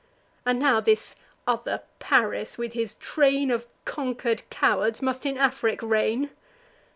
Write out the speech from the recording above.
And now this other Paris, with his train Of conquer'd cowards, must in Afric reign!